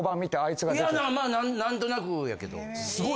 いや何となくやけど。